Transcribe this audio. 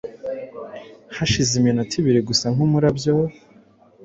Hashize iminota ibiri gusa, nk’umurabyo,